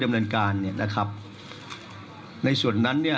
คุณหมอชนหน้าเนี่ยคุณหมอชนหน้าเนี่ย